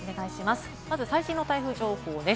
まず最新の台風情報です。